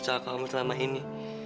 cara kamu selama ini